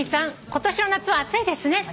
今年の夏は暑いですね」